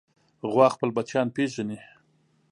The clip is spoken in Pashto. غوا خپل بچیان پېژني.